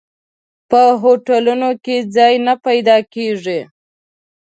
په هوټلونو کې ځای نه پیدا کېږي.